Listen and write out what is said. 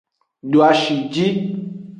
Doashi ji.